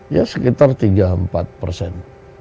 ya sekitar tiga empat persen